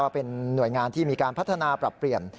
เป็นหน่วยงานที่มีการพัฒนาปรับเปลี่ยน